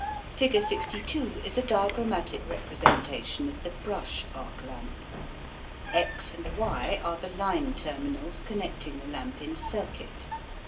Figure 62 is a diagrammatic representation of the Brush arc lamp. X and Y are the line terminals connecting the lamp in circuit.